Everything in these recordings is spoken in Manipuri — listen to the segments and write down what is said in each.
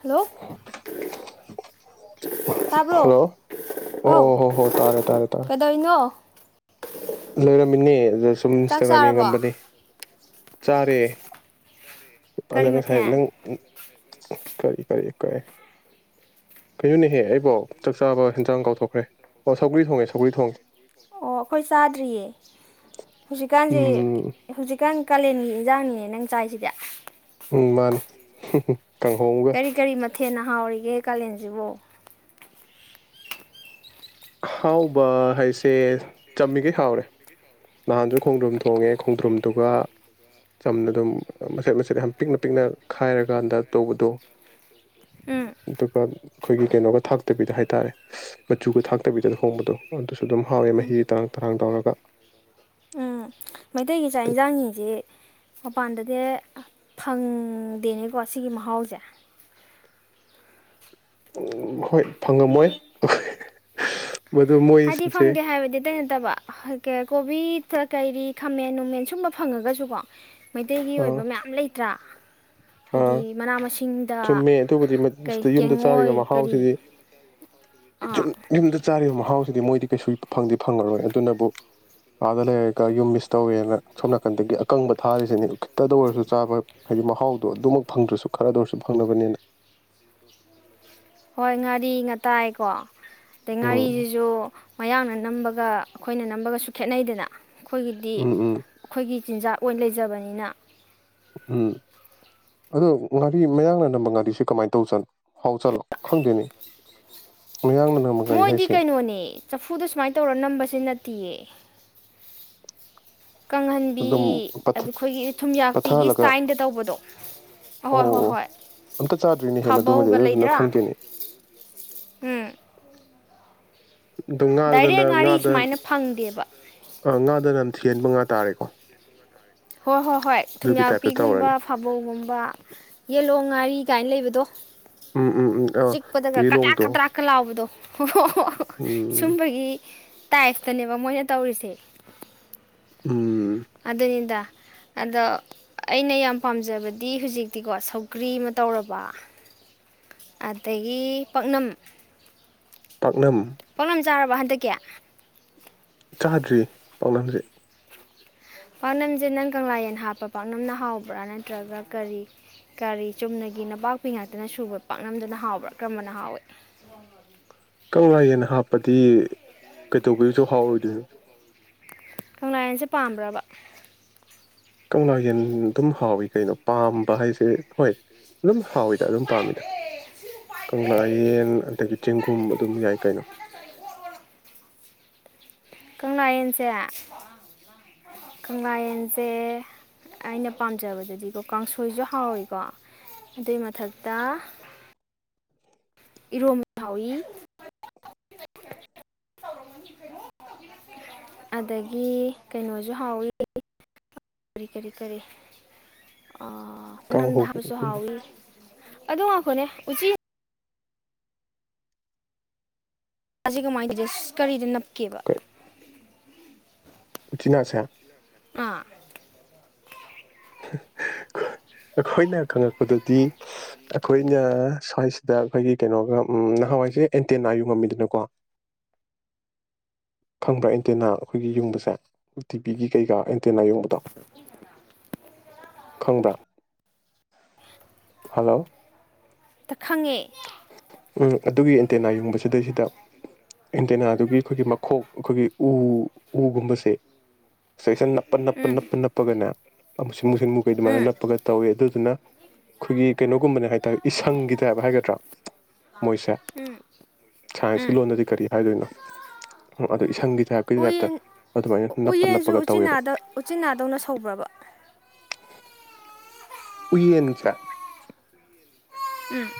ꯍꯜꯂꯣ ꯇꯥꯕ꯭ꯔꯣ ꯍꯜꯂꯣ ꯑꯥꯎ ꯑꯣ ꯍꯣ ꯍꯣ ꯇꯥꯔꯦ ꯇꯥꯔꯦ ꯇꯥꯔꯦ ꯀꯩꯗꯧꯅꯣ ꯂꯩꯔꯝꯃꯤꯅꯦ ꯑꯗꯨ ꯁꯨꯝ ꯆꯥꯛ ꯏꯟꯁꯇꯥꯒ꯭ꯔꯥꯝ ꯆꯥꯔꯕꯣ ꯌꯦꯡꯉꯝꯕꯅꯦ ꯆꯔꯦ ꯀꯔꯤ ꯑꯗ ꯉꯁꯥꯏ ꯃꯊꯦꯜ ꯅꯪ ꯀꯔꯤ ꯀꯔꯤ ꯀꯔꯤ ꯀꯩꯅꯣꯅꯦꯍꯦ ꯑꯩꯕꯨꯣ ꯆꯥꯛ ꯆꯥꯕ ꯍꯦꯟꯁꯥꯡ ꯀꯥꯎꯊꯣꯛꯈ꯭ꯔꯦ ꯑꯣ ꯁꯧꯒꯔꯤ ꯊꯣꯡꯉꯦ ꯁꯧꯒ꯭ꯔꯤ ꯊꯣꯡꯉꯦ ꯑꯣꯐ ꯍꯈꯣꯏ ꯆꯥꯗ꯭ꯔꯤꯌꯦ ꯍꯧꯖꯤꯛꯀꯥꯟꯁꯦ ꯎꯝ ꯍꯧꯖꯤꯛꯀꯥꯟ ꯀꯥꯂꯦꯟꯒꯤ ꯏꯟꯖꯥꯡꯅꯤꯅꯦ ꯅꯪ ꯆꯥꯏꯁꯤꯗꯤ ꯎꯝ ꯃꯥꯅꯦ ꯀꯔꯤ ꯀꯔꯤ ꯃꯊꯦꯜꯅ ꯍꯥꯎꯔꯤꯒꯦ ꯒꯦ ꯀꯥꯂꯦꯟꯖꯤꯕꯣ ꯍꯥꯎꯕ ꯍꯥꯏꯁꯦ ꯆꯝꯃꯤꯈꯩ ꯍꯥꯎꯔꯦ ꯅꯍꯥꯟꯁꯨ ꯈꯣꯡꯗ꯭ꯔꯨꯝ ꯊꯣꯡꯉꯦ ꯈꯣꯡꯗ꯭ꯔꯨꯝꯗꯨꯒ ꯆꯝꯅ ꯑꯗꯨꯝ ꯃꯆꯦꯠ ꯃꯆꯦꯠ ꯌꯥꯝ ꯄꯤꯛꯅ ꯄꯤꯛꯅ ꯈꯥꯏꯔꯀꯥꯟꯗ ꯇꯧꯕꯗꯣ ꯎꯝ ꯑꯗꯨꯒ ꯑꯩꯈꯣꯏꯒꯤ ꯀꯩꯅꯣꯒ ꯊꯥꯛꯇꯕꯤꯗ ꯍꯥꯏꯇꯥꯔꯦ ꯃꯆꯨꯒ ꯊ ꯇꯛꯇꯕꯤꯗꯗ ꯍꯣꯡꯕꯗꯣ ꯑꯗꯨꯁꯨ ꯑꯗꯨꯝ ꯍꯥꯎꯋꯦ ꯃꯍꯤꯒꯤ ꯇꯔꯥꯡ ꯇꯔꯥꯡ ꯇꯧꯔꯒ ꯎꯝ ꯃꯩꯇꯩꯒꯤ ꯆꯥꯛ ꯑꯗꯨ ꯏꯟꯁꯥꯡꯁꯤꯡꯁꯤ ꯃꯄꯥꯟꯗꯗꯤ ꯐꯪꯗꯦꯅꯦꯀꯣ ꯁꯤꯒꯤ ꯃꯍꯥꯎꯁꯦ ꯎ ꯍꯣꯏ ꯐꯪꯉꯝꯃꯣꯏ ꯃꯗꯨ ꯍꯥꯏꯗꯤ ꯃꯣꯏꯁꯤꯡꯁꯦ ꯐꯪꯗꯦ ꯍꯥꯏꯕꯗꯤ ꯇꯩꯅ ꯅꯠꯇꯕ ꯀ ꯀꯣꯕꯤ ꯀꯩꯔꯤ ꯈꯥꯃꯦꯟ ꯅꯨꯡꯃꯦꯟ ꯁꯨꯝꯕ ꯐꯪꯉꯒꯁꯨ ꯀꯣ ꯃꯩꯇꯩꯒꯤ ꯑꯣꯏꯕ ꯃꯌꯥꯝ ꯂꯩ ꯇ꯭ꯔꯥ ꯑ ꯆꯨꯝꯃꯦ ꯀꯩ ꯑꯗꯨꯕꯨꯗꯤꯗ ꯌꯨꯝꯗ ꯆꯥꯔꯤꯕ ꯀꯦꯡꯉꯣꯏ ꯀꯔꯤ ꯃꯍꯥꯎꯁꯤꯗꯤ ꯑꯥ ꯌꯨꯝꯗ ꯆꯥꯔꯤꯕ ꯃꯍꯥꯎꯁꯤꯗꯤ ꯃꯣꯏꯗꯤ ꯀꯩꯁꯨ ꯐꯪꯗꯤ ꯐꯪꯉꯔꯣꯏ ꯑꯗꯨꯅꯕꯨ ꯑꯥꯗ ꯂꯩꯔꯒ ꯌꯨꯝ ꯃꯤꯁ ꯇꯧꯋꯦꯅ ꯁꯣꯝ ꯅꯥꯀꯟꯗꯒꯤ ꯑꯀꯪꯕ ꯊꯥꯔꯤꯁꯤꯅꯤ ꯈꯤꯇꯗ ꯑꯣꯏꯔꯁꯨ ꯆꯥꯕ ꯍꯥꯏꯗꯤ ꯃꯍꯥꯎ ꯗ ꯑꯗꯨꯃꯛ ꯐꯪꯗ꯭ꯔꯁꯨ ꯈꯔꯗ ꯑꯣꯏꯔꯁꯨ ꯐꯪꯅꯕꯅꯤꯅ ꯍꯣꯏ ꯉꯥꯔꯤ ꯉꯥꯇꯥꯏꯀꯣ ꯦꯉꯥꯔꯤ ꯎꯝ ꯌꯖꯣ ꯃꯌꯥꯡꯅ ꯅꯝꯕꯒ ꯑꯩꯈꯣꯏꯅ ꯅꯝꯕꯒꯁꯨ ꯈꯦꯠꯅꯩꯗꯅ ꯑꯩꯈꯣꯏꯒꯤꯗꯤ ꯎꯝ ꯎꯝ ꯑꯩꯈꯣꯏꯒꯤ ꯆꯤꯟꯖꯥꯛ ꯑꯣꯏꯅ ꯂꯩꯖꯕꯅꯤꯅ ꯎꯝ ꯑꯗꯣ ꯉꯥꯔꯤ ꯃꯌꯥꯡ ꯅ ꯅꯝꯕ ꯉꯥꯔꯤꯁꯦ ꯀꯃꯥꯏꯅ ꯇꯧ ꯐꯥꯎ ꯆꯠꯂꯣ ꯈꯪꯗꯦꯅꯤ ꯃꯣꯏꯗꯤ ꯀꯩꯅꯣꯅꯦ ꯆꯐꯨꯗꯣ ꯁꯨꯃꯥꯏꯅ ꯇꯧꯔ ꯅꯝꯕꯁꯤ ꯅꯠꯇꯦ ꯇꯌꯦ ꯀꯥꯡꯪꯍꯟꯕꯤ ꯑꯗꯨꯝ ꯑ ꯑꯩꯈꯣꯏꯒꯤ ꯊꯨꯝꯌꯥꯛꯄꯤꯒꯤ ꯄꯠꯊꯍꯜꯂꯒ ꯏꯁꯇꯥꯏꯜꯗ ꯇꯧꯕꯗꯣ ꯑꯣ ꯑꯍꯣꯏ ꯍꯣꯏ ꯑꯣ ꯍꯣꯏ ꯑꯝꯇ ꯆꯥꯗ꯭ꯔꯤꯅꯦꯍꯦ ꯃꯗꯨꯃꯗꯤ ꯐꯕꯧꯒ ꯑꯗꯨꯗꯨꯅ ꯂꯩꯗ꯭ꯔꯥ ꯈꯪꯗꯦꯅꯦ ꯎꯝ ꯑꯗꯨ ꯉꯥꯗꯗꯅ ꯗꯥꯏꯔꯦꯛ ꯉꯥꯔꯤ ꯉꯥꯗ ꯁꯨꯃꯥꯏꯅ ꯐꯪꯗꯦꯕ ꯑ ꯉꯥꯗꯅ ꯀꯦꯟꯕ ꯉꯥ ꯇꯥꯔꯦꯀꯣ ꯍꯣꯏ ꯍꯣꯏ ꯍꯣꯏ ꯑꯗꯨꯒꯤ ꯇꯥꯏꯞꯇ ꯊꯨꯝꯌꯥꯛꯄꯤꯒꯨꯝꯕ ꯇꯧꯔꯅꯤ ꯐꯥꯕꯣꯒꯨꯝꯕ ꯌꯦꯂꯣꯡ ꯉꯥꯔꯤ ꯀꯥꯏꯅ ꯂꯩꯕꯗꯣ ꯗꯣ ꯎꯝ ꯎꯝ ꯎꯝ ꯑꯥ ꯆꯤꯛꯄꯗꯒ ꯀꯞꯂꯥꯛ ꯌꯦꯂꯣꯡꯗꯣ ꯀꯞ꯭ꯔꯥꯛꯀ ꯂꯥꯎꯕꯗꯣ ꯍ ꯎꯝ ꯁꯨꯝꯕꯒꯤ ꯇꯥꯏꯐꯇꯅꯦꯕ ꯃꯣꯏꯅ ꯇꯧꯔꯤꯁꯦ ꯎꯝ ꯑꯗꯨꯅꯤꯗ ꯑꯗꯣ ꯑꯩꯅ ꯌꯥꯝ ꯄꯥꯝꯖꯕꯗꯤ ꯍꯧꯖꯤꯛꯇꯤꯀꯣ ꯁꯧꯒ꯭ꯔꯤ ꯑꯃ ꯇꯧꯔꯕ ꯑꯗꯒꯤ ꯄꯥꯛꯅꯝ ꯄꯥꯛꯅꯝ ꯄꯥꯛꯅꯝ ꯆꯥꯔꯕ ꯍꯟꯗꯛꯀꯤ? ꯆꯥꯗ꯭ꯔꯤ ꯄꯥꯛꯅꯝ ꯖꯤ ꯄꯥꯛꯅꯝꯁꯦ ꯅꯪ ꯀꯪꯂꯥ ꯌꯦꯟ ꯍꯥꯞꯄ ꯄꯥꯛꯅꯝꯅ ꯍꯥꯎꯕ꯭ꯔꯥ ꯅꯠꯇ꯭ꯔꯒ ꯀꯔꯤ ꯀꯔꯤ ꯆꯨꯝꯅꯒꯤ ꯅꯄꯥꯛꯄꯤ ꯉꯥꯛꯇꯅ ꯁꯨꯕ ꯄꯥꯛꯅꯝꯗꯨꯅ ꯍꯥꯎꯕ꯭ꯔꯥ ꯀꯔꯝꯕꯅ ꯍꯥꯎꯏ? ꯀꯪꯂꯥꯌꯦꯟ ꯍꯥꯞꯄꯗꯤ ꯀꯩꯇꯧꯕꯩꯁꯨ ꯍꯥꯎꯔꯣꯏꯗꯣꯏꯅꯣ? ꯀꯪꯂꯥꯌꯦꯟꯁꯦ ꯄꯥꯝꯕ꯭ꯔꯕ? ꯂꯥ ꯌꯦꯟ ꯑꯗꯨꯝ ꯍꯥꯎꯋ ꯀꯩꯅꯣ ꯄꯥꯝꯕ ꯍꯥꯏꯁꯦ ꯍꯣꯏ ꯑꯗꯨꯝ ꯍꯥꯎꯋꯗ ꯑꯗꯨꯝ ꯄꯥꯝꯃꯤꯗ ꯀꯪꯂꯥꯌꯦꯟ ꯑꯗꯒꯤ ꯆꯦꯡꯒꯨꯝ ꯑꯗꯨꯝ ꯌꯥꯏ ꯀꯩꯅꯣ ꯀꯪꯂꯥ ꯌꯦꯟꯁꯦ ꯀꯪꯂꯥ ꯌꯦꯟꯁꯦ ꯑꯩꯅ ꯄꯥꯝꯖꯕꯗꯗꯤꯀꯣ ꯀꯥꯡꯁꯣꯏꯁꯨ ꯍꯥꯎꯋꯤꯀꯣ ꯑꯗꯨꯏ ꯃꯊꯛꯇ ꯏꯔꯣꯝꯕ ꯍꯥꯎꯏ ꯑꯗꯒꯤ ꯀꯩꯅꯣꯁꯨ ꯍꯥꯎꯋꯤꯔꯤ ꯀꯔꯤ ꯀꯥꯡꯍꯧ ꯎꯅꯝꯗ ꯍꯥꯞꯄꯁꯨ ꯀꯩꯅꯣ ꯍꯥꯎꯋꯤ ꯑꯗꯨ ꯉꯥꯛꯈꯣꯅꯦ ꯎꯆ ꯁꯤ ꯀꯃꯥꯏꯗꯨꯗꯤ ꯑ ꯀꯔꯤꯗ ꯅꯞꯀꯦꯕ? ꯎꯆꯤꯅꯥꯁꯦ ꯑꯥ꯫ ꯑꯩꯈꯣꯏꯅ ꯈꯪꯉꯛꯄꯗꯗꯤ ꯑꯩꯈꯣꯏꯅ ꯁ꯭ꯋꯥꯏꯁꯤꯗ ꯑꯩꯈꯣꯏꯒꯤ ꯀꯩꯅꯣꯒ ꯅꯍꯥꯟꯋꯥꯏꯁꯦ ꯑꯦꯟꯇꯦꯟꯅꯥꯌꯨ ꯉꯝꯃꯤꯗꯅꯀꯣ ꯈꯪꯕ꯭ꯔꯥ ꯑꯦꯟꯇꯦꯅꯥ ꯑꯩꯈꯣꯏꯒꯤ ꯌꯨꯡꯕꯁꯦ ꯇꯤꯚꯤꯒꯤ ꯀꯩꯀꯥ ꯇꯤꯟ ꯑꯌꯨꯡꯕꯗꯣ ꯈꯪꯕ꯭ꯔ ꯍꯜꯂꯣ! ꯇ ꯈꯪꯉꯦ ꯎꯝ ꯑꯗꯨꯒꯤ ꯑꯦꯟꯇꯦꯅꯥ ꯌꯨꯡꯕꯁꯤꯗꯩꯁꯤꯗ ꯑꯦꯟꯇꯦꯅꯥꯗꯨꯒꯤ ꯑꯩꯈꯣꯏꯒꯤ ꯃꯈꯣꯛ ꯑꯩꯈꯣꯏꯒꯤ ꯎ ꯎꯒꯨꯝꯕꯁꯦ ꯁꯩꯁꯤꯗ ꯅꯞꯄ - ꯅꯞꯄ- ꯎꯝ ꯅꯞꯄ ꯅꯞꯄꯒꯅꯦ ꯃꯨꯁꯤꯟ - ꯃꯨꯁꯤꯟ ꯃꯨ ꯀꯩ ꯑꯗꯨꯃꯥꯏꯅ ꯎꯝ ꯅꯞꯄꯒ ꯇꯧꯋꯤ ꯑꯗꯨꯗꯨꯅ ꯑꯩꯈꯣꯏꯒꯤ ꯀꯩꯅꯣꯒꯨꯝꯕꯅꯦ ꯍꯥꯏꯇꯥꯔꯦ ꯏꯁꯪꯒꯤ ꯇꯥꯏꯞ ꯍꯥꯏꯒ꯭ꯔꯥ ꯭ꯔ [unintelligible] ꯃꯣꯏꯁꯦ ꯎꯝ ꯁꯥꯏꯟꯁꯀꯤ ꯎꯝ ꯂꯣꯟꯅꯗꯤ ꯀꯔꯤ ꯍꯥꯏꯗꯣꯏꯅꯣ ꯎ ꯑꯗ‌ꯣ ꯏꯁꯪꯒꯤ ꯇꯥꯏꯞꯀꯤ ꯇꯥꯏꯞꯇ ꯎꯌꯦꯟ ꯑꯗꯨꯃꯥꯏꯅ ꯅꯞꯄ ꯎꯌꯦꯟꯁꯨ ꯅꯞꯄꯒ ꯇꯧꯋꯦꯕ ꯎꯆꯤꯗ ꯎꯆꯤꯅꯥꯗꯧꯅ ꯁꯧꯕ꯭ꯔꯕ? ꯎꯏꯌꯦꯟ ꯁꯦ ꯎꯝ꯫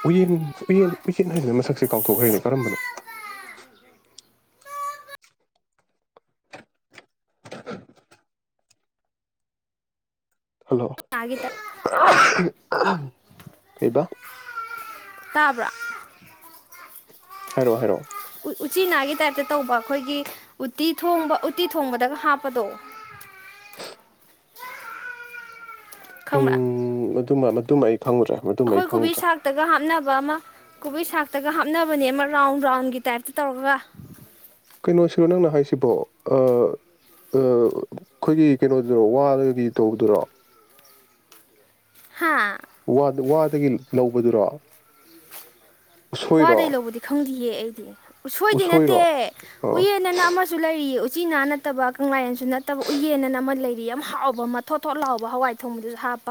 ꯎꯌꯦꯟ - ꯎꯌꯦꯟ - ꯎꯌꯦꯟ ꯍꯥꯏꯗꯅ ꯃꯁꯛꯁꯦ ꯀꯥꯎꯊꯣꯛꯈ꯭ꯔꯅꯦ ꯀꯔꯝꯕꯅꯣ? [inaudible] ꯍꯜꯂꯣ! ꯎꯆꯤꯅꯥꯒꯤ ꯇ- ꯀꯩꯕꯥ? ꯇꯥꯕ꯭ꯔ? ꯍꯥꯏꯔꯛꯑꯣ ꯍꯥꯏꯔꯛꯑꯣ꯫ ꯎꯆꯤꯅꯥꯒꯤ ꯇꯥꯏꯞꯇ ꯇꯧꯕ ꯑꯩꯈꯣꯏꯒꯤ ꯎꯇꯤ ꯊꯣꯡꯕ ꯎꯇꯤ ꯊꯣꯡꯕꯗꯒ ꯍꯥꯞꯄꯗꯣ ꯈꯪꯕ꯭ꯔꯥ ꯎꯝ ꯑꯗꯨ ꯑꯗꯨꯃꯥꯏ ꯑꯩꯈꯣꯏ ꯈꯨꯕꯤ ꯁꯥꯛꯇꯒ ꯍꯥꯞꯅꯕ ꯑꯃ ꯀꯣꯕꯤꯁꯛꯇꯒ ꯍꯥꯞꯅꯕꯅꯦ ꯑꯃ ꯔꯥꯎꯟꯗ ꯔꯥꯎꯅꯒꯤ ꯇꯥꯏꯞꯇ ꯇꯧꯔꯒ ꯀꯩꯅꯣꯁꯤꯔꯣ ꯅꯪꯅ ꯍꯥꯏꯁꯤꯕꯣ ꯑꯩꯈꯣꯏꯒꯤ ꯀꯩꯅꯣꯗꯨꯔꯣ ꯋꯥꯒꯤ ꯇꯧꯕꯗꯨꯔꯣ ꯍꯥꯥ ꯋꯥꯗꯒꯤ ꯂꯧꯕꯗꯨꯔꯣ ꯎꯁꯣꯏꯔꯣ ꯋꯥꯗꯩ ꯂꯧꯕꯗꯤ ꯈꯪꯗꯌꯦ ꯑꯩꯗꯤ ꯎꯁꯣꯏꯗꯤ ꯅꯠꯇꯦ ꯎꯁꯣꯏꯔꯣ ꯑ ꯎꯌꯦꯅꯅ ꯑꯃꯁꯨ ꯂꯩꯔꯤꯌꯦ ꯎꯆꯤꯅꯥ ꯅꯠꯇꯕ ꯀꯪꯂꯥꯟꯁꯨ ꯅꯠꯇꯕ ꯎꯌꯦꯟ ꯑꯅ ꯑꯃ ꯂꯩꯔꯤ ꯌꯥꯝ ꯍꯥꯎꯕ ꯑꯃ ꯊꯣꯠ ꯊꯣꯠ ꯍꯥꯎꯕ ꯍꯋꯥꯏ ꯊꯣꯡꯕꯗꯨꯁꯨ ꯍꯥꯞꯄ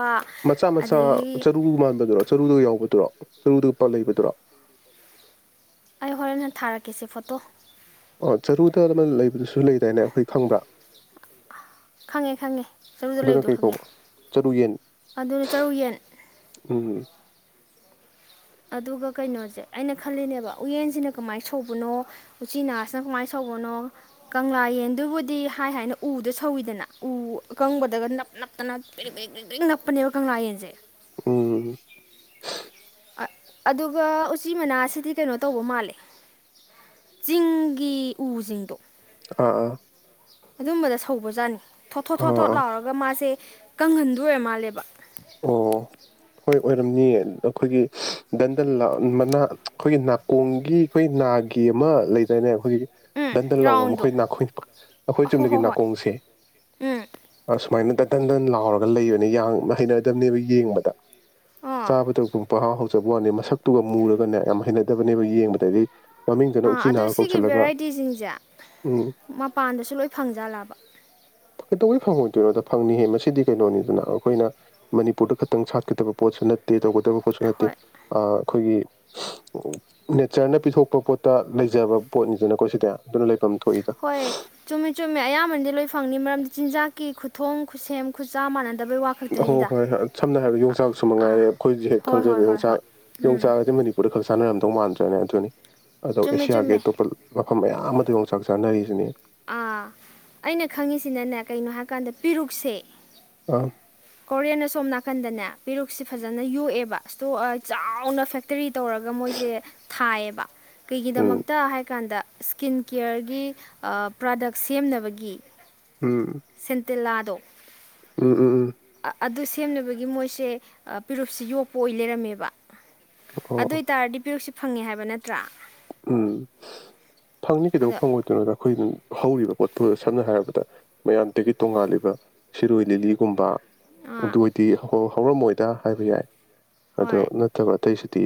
ꯃꯆꯥ ꯃꯆꯥ ꯑꯗꯒꯤ ꯆꯔꯨ ꯃꯥꯟꯕꯗꯔꯣ ꯆꯔꯨꯗꫭ ꯌꯥꯎꯕꯗꯨꯔ ꯆꯔꯨꯗꯨꯒ ꯄ ꯂꯩꯕꯗꯨꯔ ꯑꯩ ꯍꯣꯔꯦꯟꯅ ꯊꯥꯔꯛꯀꯁꯦ ꯐꯣꯇꯣ ꯑꯣ ꯆꯔꯨꯗ ꯑꯃ ꯂꯩꯕꯗꯨꯁꯨ ꯂꯩꯗꯥꯏꯅꯦ ꯑꯩꯈꯣꯏ ꯈꯪꯕ꯭ꯔꯥ ꯈꯪꯉꯦ ꯈꯪꯉꯦ ꯆꯔꯨꯗꯣ ꯑꯗꯨꯅ ꯂꯩꯕꯗꯣ ꯀꯩ ꯈꯪꯉꯦ ꯀꯧꯕ ꯆꯔꯨ ꯌꯦꯟ ꯑꯗꯨꯅ ꯆꯔꯨ ꯌꯦꯟ ꯎꯝ ꯑꯗꯨꯒ ꯀꯩꯅꯣꯁꯦ ꯑꯩꯅ ꯈꯜꯂꯤꯅꯦꯕ ꯎꯌꯦꯟꯁꯤꯅ ꯀꯃꯥꯏꯅ ꯁꯧꯕꯅꯣ ꯎꯆꯤꯅꯥꯍꯁꯤꯅ ꯀꯃꯥꯏꯅ ꯁꯧꯕꯅꯣ ꯀꯪꯂꯥ ꯌꯦꯟꯗꯨꯕꯨꯗꯤ ꯍꯥꯏ ꯍꯥꯏꯅ ꯎꯗ ꯁꯧꯏꯤꯗꯅ ꯎ ꯑꯀꯪꯕꯗꯒ ꯅꯞ ꯅꯞꯇꯅ ꯄ ꯂ ꯅꯞꯄꯅꯦꯕ ꯀꯪꯂꯥ ꯌꯦꯟꯁꯦ ꯎꯝ ꯑꯗꯨꯒ ꯎꯆꯤ ꯃꯅꯥꯁꯤꯗꯤ ꯀꯩꯅꯣ ꯇꯧꯕ ꯃꯥꯜꯂꯦ ꯆꯤꯡꯒꯤ ꯎꯁꯤꯡꯗꯣ ꯑꯥ ꯑꯥ ꯑꯗꯨꯝꯕꯗ ꯁꯧꯕꯖꯥꯠꯅꯤ ꯊꯣꯠ ꯊꯣꯠ ꯊꯣꯠ ꯑꯥ ꯊꯣꯠ ꯑꯥ ꯂꯥꯎꯔꯒ ꯃꯥꯁꯦ ꯀꯪꯍꯟꯗꯣꯏꯣ ꯑꯣꯏꯔꯃꯥꯜꯂꯦꯕ ꯑꯣ ꯍꯣꯏ ꯑꯣꯏꯔꯝꯅꯤꯌꯦ ꯑꯩꯈꯣꯏꯒꯤ ꯗꯟꯗꯟ ꯃꯅꯥ ꯑꯩꯈꯣꯏꯒꯤ ꯅꯥꯀꯣꯡꯒꯤ ꯑꯩꯈꯣꯏ ꯅꯥꯒꯤ ꯑꯃ ꯂꯩꯗꯥꯅꯦ ꯑꯩꯈꯣꯏꯒꯤ ꯎꯝ ꯗꯟꯗꯟ ꯂꯕ ꯃꯈꯣꯏ ꯔꯥꯎꯟꯗꯣ ꯅꯥꯈꯣꯏ ꯑꯩꯈꯣꯏ ꯑꯍꯣ ꯆꯨꯝꯅꯒꯤ ꯍꯣ ꯍꯣꯏ ꯅꯥꯀꯣꯡꯁꯦ ꯎꯝ ꯑꯁꯨꯃꯥꯏꯅ ꯇꯟꯇꯟ ꯂꯥꯎꯔꯒ ꯂꯩꯕꯅꯦ ꯍꯩꯅ ꯗꯕꯥꯅꯦꯕ ꯌꯦꯡꯕꯗ [unintelligible] ꯑꯥ ꯆꯠꯄ ꯋꯥꯅꯤ ꯃꯁꯛꯇꯨꯒ ꯃꯨꯔꯒꯅꯦ ꯌꯥꯝ ꯍꯩꯅꯗꯕꯅꯦꯕ ꯌꯦꯡꯕꯗꯗꯤ ꯃꯃꯤꯡꯗꯨꯅ ꯑꯥ ꯑꯗꯣ ꯎꯆꯤꯅꯥꯒ ꯁꯤꯒꯤ ꯀꯧꯁꯜꯂꯒ ꯚꯦꯔꯥꯏꯇꯤꯁꯤꯡꯁꯦ ꯎꯝ ꯃꯄꯥꯟꯗꯁꯨ ꯂꯣꯏ ꯐꯪꯖꯜꯂꯕ ꯀꯩꯇꯧꯕꯩ ꯐꯪꯉꯣꯏꯗꯣꯏꯅꯣꯗ ꯐꯪꯅꯤꯍꯦ ꯃꯁꯤꯗꯤ ꯀꯩꯅꯣꯅꯤꯗꯅ ꯑꯩꯈꯣꯏꯅ ꯃꯅꯤꯄꯨꯔꯗ ꯈꯛꯇꯪ ꯁꯥꯠꯀꯗꯕ ꯄꯣꯠꯁꯨ ꯅꯠꯇꯦ ꯇꯧꯕ ꯀꯗꯕꯥ ꯄꯣꯠꯁꯨ ꯍꯣꯏ ꯑꯩꯈꯣꯏꯒꯤ ꯅꯦꯆꯔꯅ ꯄꯤꯊꯣꯛꯄ ꯄꯣꯠꯇ ꯂꯩꯖꯕ ꯄꯣꯠꯅꯤꯗꯨꯅꯀꯣ ꯁꯤꯗ ꯑꯗꯨꯅ ꯂꯩꯐꯝ ꯊꯣꯛꯏꯗ ꯍꯣꯏ ꯆꯨꯝꯃꯦ ꯆꯨꯝꯃꯦ ꯑꯌꯥꯝꯕꯅꯗꯤ ꯂꯣꯏ ꯐꯪꯅꯤ ꯃꯔꯝꯗꯤ ꯆꯤꯟꯖꯥꯛꯀꯤ ꯈꯨꯊꯣꯡ ꯈꯨꯠꯁꯦꯝ ꯈꯨꯆꯥꯥ ꯃꯥꯟꯅꯅ ꯑꯍ ꯍꯣꯏ ꯍꯣꯏ ꯁꯝꯅ ꯍꯥꯏꯔꯕꯗ ꯌꯣꯡꯆꯥꯛꯁꯨ ꯑꯥ ꯃꯉꯥꯏꯔꯦ ꯑꯩꯈꯣꯏ ꯍꯧꯖꯤ ꯍꯦꯛ ꯍꯣꯏ ꯍꯣꯏ ꯈꯪꯖꯕ ꯍꯣꯏ ꯍꯣꯏ ꯌꯣꯡꯆꯥꯛ ꯎꯝ ꯌꯣꯡꯆꯥꯛꯁꯦ ꯃꯅꯤꯄꯨꯔꯗ ꯈꯪꯖ ꯆꯟꯅꯔꯝꯗꯧ ꯃꯥꯟꯗ꯭ꯔꯅꯦ ꯑꯗꯨꯅꯤ ꯑꯗꯣ ꯆꯨꯝꯃꯦ ꯑꯦꯁꯤꯌꯥꯒꯤ ꯆꯨꯝꯃꯦ ꯑꯇꯣꯞꯄ ꯃꯐꯝ ꯃꯌꯥꯝ ꯑꯃꯗ ꯌꯣꯡꯆꯥꯛ ꯆꯥꯅꯔꯤꯁꯤꯅꯤ ꯑꯥ ꯑꯩꯅ ꯈꯪꯉꯤꯁꯤꯅꯅꯦ ꯀꯩꯅꯣ ꯍꯥꯏꯔꯀꯥꯟꯗ ꯄꯦꯔꯨꯛꯁꯦ ꯑꯥ ꯀꯣꯔꯤꯌꯟꯅ ꯁꯣꯝ ꯅꯥꯀꯟꯗꯅꯦ ꯄꯦꯔꯨꯛꯁꯦ ꯐꯖꯅ ꯌꯣꯛꯑꯦꯕ ꯏꯁꯇꯣ ꯆꯥꯎꯅ ꯐꯦꯛꯇꯔꯤ ꯇꯧꯔꯒ ꯃꯣꯏꯁꯦ ꯊꯥꯏꯌꯦꯕ ꯎꯝ ꯀꯩꯒꯤꯗꯃꯛꯇ ꯍꯥꯏ ꯀꯥꯟꯗ ꯁ꯭ꯀꯤꯟ ꯀꯤꯌꯔꯒꯤ ꯄ꯭ꯔꯗꯛ ꯁꯦꯝꯅꯕꯒꯤ ꯎꯝ ꯁꯤꯇꯤ ꯂꯥ ꯗꯣ ꯎꯝ ꯎꯝ ꯎꯝ ꯑꯗꯨ ꯁꯦꯝꯅꯕꯒꯤ ꯃꯣꯏꯁꯦ ꯄꯦꯔꯨꯞꯁꯦ ꯌꯣꯛꯄ ꯑꯣꯏꯅ ꯂꯩꯔꯝꯃꯦꯕ ꯑꯣ ꯑꯗꯨ ꯑꯣꯏꯇꯥꯔ ꯗꯤ ꯄꯤꯔꯨꯛꯁꯤ ꯐꯪꯉꯦ ꯍꯥꯏꯕ ꯅꯠꯇ꯭ꯔꯥ ꯎꯝ ꯐꯪꯅꯤ ꯀꯩꯗꯧ ꯑꯗꯣ ꯐꯪꯉꯣꯏꯗꯣꯏꯅꯣꯗ ꯑꯩꯈꯣꯏ ꯅꯪ ꯍꯧꯔꯤꯕ ꯄꯣꯠꯄꯨ ꯁꯝꯅ ꯍꯥꯏꯔꯕꯗ ꯃꯌꯥꯝꯗꯒꯤ ꯇꯣꯡꯉꯥꯜꯂꯤꯕ ꯁꯤꯔꯣꯏ ꯂꯤꯂꯤꯒꯨꯝꯕ ꯑꯥ ꯎꯗꯨꯋꯥꯗꯤ ꯍꯣ ꯍꯧꯔꯝꯃꯣꯏꯗ ꯍꯥꯏꯕ ꯌꯥꯏ ꯑꯗꯣ ꯍꯣꯏ ꯅꯠꯇꯕ ꯑꯇꯩꯁꯨꯗꯤ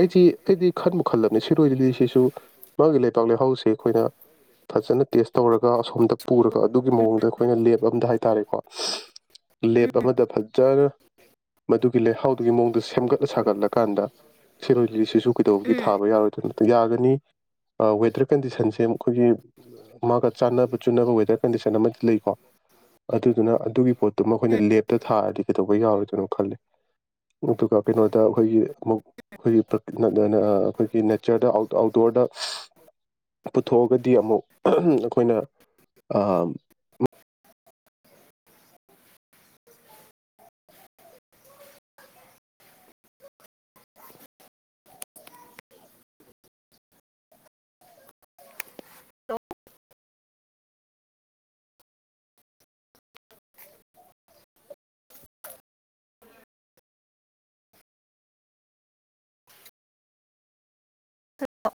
ꯑꯩꯗꯤ ꯑꯩꯗꯤ ꯈꯟꯕꯨ ꯈꯜꯂꯦ ꯁꯤꯔꯣꯏꯂꯤꯂꯤ ꯁꯤꯁꯨ ꯃꯥꯒꯤ ꯂꯩꯄꯥꯛ ꯂꯩꯍꯥꯎꯁꯦ ꯑꯩꯈꯣꯏꯅ ꯐꯖꯅ ꯇꯦꯁ ꯇꯧꯔꯒ ꯑꯁꯣꯝꯗ ꯄꯨꯔꯒ ꯑꯗꯨꯒꯤ ꯃꯑꯣꯡꯗ ꯑꯩꯈꯣꯏꯅ ꯂꯦꯞ ꯑꯝꯗ ꯍꯥꯏꯇꯥꯔꯦꯀꯣ ꯂꯦꯞ ꯑꯃꯗ ꯐꯖꯔ ꯃꯗꯨ ꯂꯩꯍꯥꯎꯗꯨꯒꯤ ꯃꯑꯣꯡꯗ ꯁꯦꯝꯒꯠꯂ ꯁꯥꯒꯠꯂꯀꯥꯟꯗ ꯁꯤꯔꯣꯏ ꯂꯤꯁꯤꯁꯨ ꯀꯤꯗꯧꯕꯒꯤ ꯎꯝ ꯊꯥ ꯌꯥꯒꯅꯤ ꯋꯦꯗꯔ ꯀꯟꯗꯤꯁꯟꯁꯦ ꯑꯩꯈꯣꯏꯒꯤ ꯃꯥ ꯆꯥꯟꯅꯕ ꯆꯨꯅꯕ ꯋꯦꯗꯔ ꯀꯟꯗꯤꯁꯟ ꯑꯃꯗꯤ ꯂꯩꯀꯣ ꯑꯗꯨꯗꯨꯅ ꯑꯗꯨꯒꯤ ꯄꯣꯠꯇ ꯑꯗꯨꯝ ꯑꯩꯈꯣꯏꯅ ꯂꯦꯞꯇ ꯊꯥꯔꯗꯤ ꯀꯩꯗꯧꯕ ꯌꯥꯎꯔꯣꯏꯗ ꯀꯩꯅꯣ ꯈꯜꯂꯤ ꯑꯗꯨꯒ ꯀꯩꯅꯣꯗ ꯑꯩꯈꯣꯏꯒꯤ ꯑꯃꯨꯛ ꯑꯩꯈꯣꯏꯒꯤ ꯑ ꯅ ꯅ ꯅꯦꯆꯔꯗ ꯑꯥꯎꯠ ꯑꯥꯎꯠꯗꯣꯔꯗ ꯄꯨꯊꯣꯛꯑꯒꯗꯤ ꯑꯃꯨꯛ ꯑꯩꯈꯣꯏꯅ ꯇ